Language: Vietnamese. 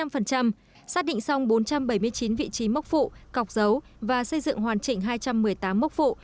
xác định xong bốn trăm bảy mươi chín vị trí mốc phụ cọc dấu và xây dựng hoàn chỉnh hai trăm một mươi tám mốc phụ